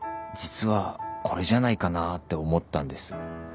実はこれじゃないかなって思ったんです。